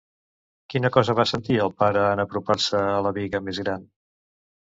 Quina cosa va sentir el pare en apropar-se a la biga més gran?